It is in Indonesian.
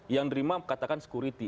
yang derima katakan security